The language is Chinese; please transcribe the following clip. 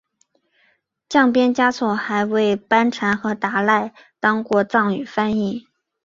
降边嘉措还为班禅和达赖当过藏语翻译。